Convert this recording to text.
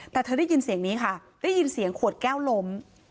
แต่เธอได้ยินเสียงนี้ค่ะได้ยินเสียงขวดแก้วล้ม